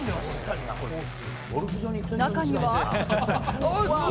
中には。